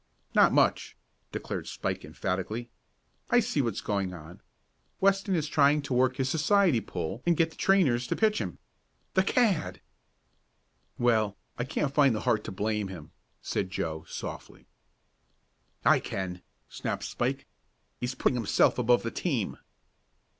"Not much!" declared Spike emphatically. "I see what's going on. Weston is trying to work his society pull and get the trainers to pitch him. The cad!" "Well, I can't find the heart to blame him," said Joe, softly. "I can," snapped Spike. "He's putting himself above the team."